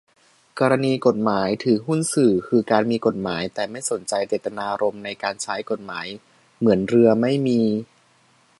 กรณี กฎหมาย ถือหุ้นสื่อ คือการ มีกฎหมายแต่ไม่สนเจตนารมณ์ในการใช้กฎหมาย เหมือนเรือ ไม่มี